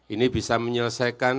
ini bisa menyelesaikan